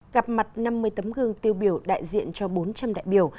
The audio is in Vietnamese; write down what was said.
gặp mặt năm mươi tấm gương tiêu biểu đại diện cho bốn trăm linh đại biểu